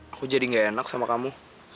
aku jadi gak enak sama kamu